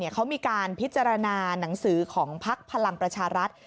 เขามีการพิจารณาหนังสือของพักพลังประชารัฐ